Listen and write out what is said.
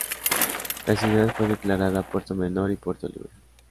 La ciudad fue declarada puerto menor y puerto libre.